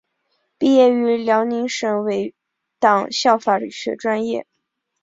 毕业于辽宁省委党校法学专业。